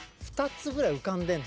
２つぐらい浮かんでる。